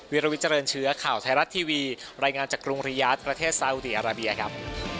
วิรวิทเจริญเชื้อข่าวไทยรัฐทีวีรายงานจากกรุงริยาทประเทศซาอุดีอาราเบียครับ